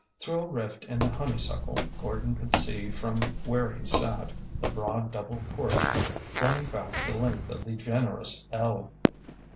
Through a rift in the honeysuckle Gordon could see from where he sat the broad double porch running back the length of the generous ell.